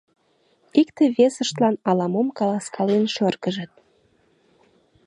Икте-весыштлан ала-мом каласкален шыргыжыт.